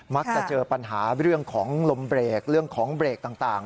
มักจะเจอปัญหาเรื่องของลมเบรกเรื่องของเบรกต่าง